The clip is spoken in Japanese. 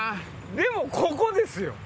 でもここですよ！